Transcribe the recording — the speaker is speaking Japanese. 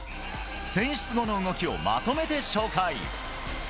選出後の動きをまとめて紹介。